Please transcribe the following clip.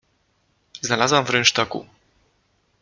— Znalazłam w rynsztoku.